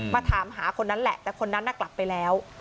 มาถามหาคนนั้นแหละแต่คนนั้นน่ะกลับไปแล้ว